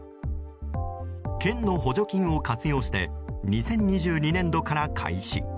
県の補助金を活用して２０２２年度から開始。